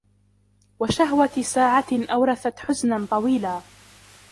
وَشَهْوَةِ سَاعَةٍ أَوْرَثَتْ حُزْنًا طَوِيلًا